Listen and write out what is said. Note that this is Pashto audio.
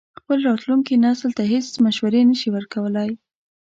خپل راتلونکي نسل ته هېڅ مشورې نه شي ورکولای.